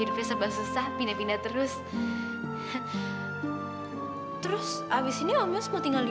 lihatlah tempat yang moo